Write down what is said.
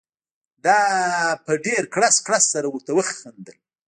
ما په ډېر کړس کړس سره ورته وخندل.